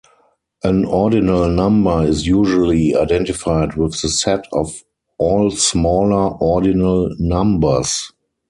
An ordinal number is usually identified with the set of all smaller ordinal numbers.